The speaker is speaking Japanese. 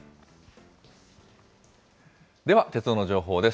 では、鉄道の情報です。